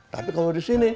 tapi kalo di sini